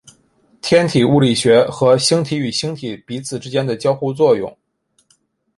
天体物理学和星体与星体彼此之间的交互作用。